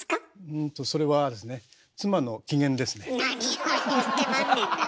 うんとそれはですね何を言うてまんねんな！